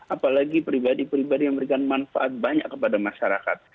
apalagi pribadi pribadi yang memberikan manfaat banyak kepada masyarakat